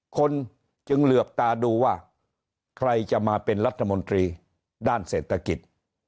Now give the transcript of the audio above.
คนจึงเหลือบตาดูว่าใครจะมาเป็นรัฐมนตรีด้านเศรษฐกิจ